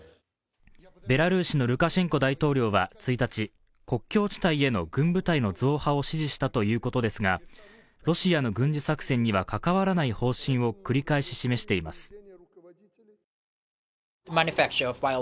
ベラルーシのルカシェンコ大統領は１日、国境地帯への軍部隊への増派を指示したということですが、ロシアの軍事作戦には関わらない方針を繰り返し示しています。